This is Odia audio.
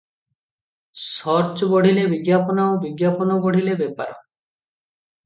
ସର୍ଚ ବଢ଼ିଲେ ବିଜ୍ଞାପନ ଆଉ ବିଜ୍ଞାପନ ବଢ଼ିଲେ ବେପାର ।